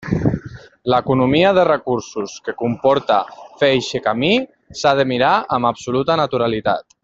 L'economia de recursos que comporta fer eixe camí s'ha de mirar amb absoluta naturalitat.